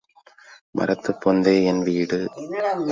மரத்துப் பொந்தே envied.